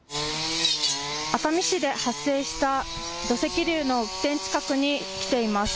熱海市で発生した土石流の起点近くに来ています。